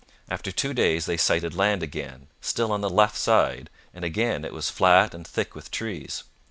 After two days they sighted land again, still on the left side, and again it was flat and thick with trees.